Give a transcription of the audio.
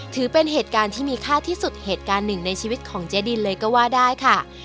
ถือเป็นเหตุการณ์ที่มีค่าที่สุดเหตุการณ์หนึ่งในชีวิตของเจ๊ดินเลยก็ว่าได้ค่ะ